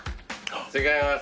違います。